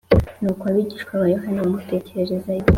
Nuko abigishwa ba Yohana bamutekerereza ibyo